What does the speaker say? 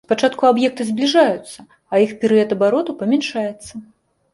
Спачатку аб'екты збліжаюцца, а іх перыяд абароту памяншаецца.